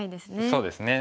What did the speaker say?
そうですね。